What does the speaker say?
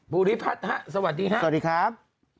บูธิพัสสวัสดีครับสวัสดีครับ